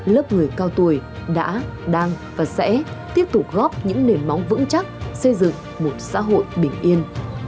lớp người cao tuổi đã đang và sẽ tiếp tục góp những nền móng vững chắc xây dựng một xã hội bình yên